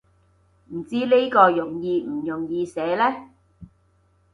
唔知呢個容易唔容易寫呢